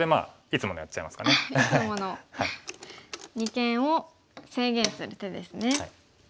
いつもの二間を制限する手ですね。